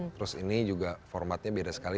terus ini juga formatnya beda sekali